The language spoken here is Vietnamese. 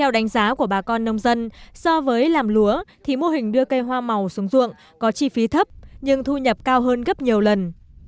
đánh giá của bà con nông dân so với làm lúa thì mô hình đưa cây hoa màu xuống ruộng có chi phí thấp nhưng thu nhập cao hơn gấp nhiều lần